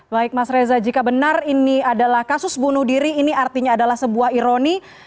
baik mas reza jika benar ini adalah kasus bunuh diri ini artinya adalah sebuah ironi